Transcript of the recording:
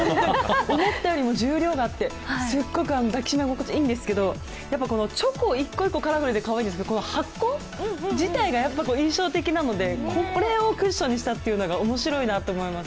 思ったよりも重量があって、すごく抱き心地いいんですけどこのチョコ１個１個カラフルでかわいいんですけど、この箱自体が印象的なのでこれをクッションにしたっていうのが面白いと思います。